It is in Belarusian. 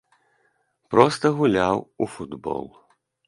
Проста гуляў у футбол!